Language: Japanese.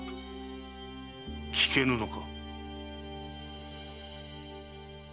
聞けぬのか？